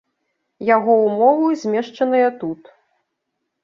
Яго умовы змешчаныя тут.